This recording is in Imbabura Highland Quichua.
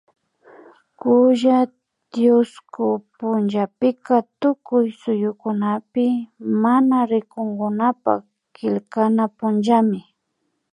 Kulla tiushku punllapika Tukuy suyukunapi mana rikunkunapak killkana punllami